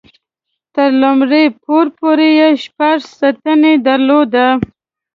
تر لومړي پوړ پورې یې شپږ ستنې درلودې.